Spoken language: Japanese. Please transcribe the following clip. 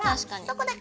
確かに。